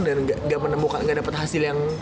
dan ga menemukan ga dapet hasil yang